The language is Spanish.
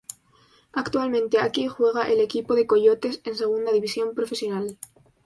Actualmente aquí juega el equipo de Coyotes en Segunda División Profesional.